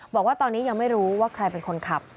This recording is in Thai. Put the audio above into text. บอกว่าตอนนี้ยังไม่รู้ว่าใครเป็นคนขับ